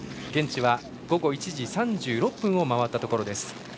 現地は午後１時３６分を回ったところです。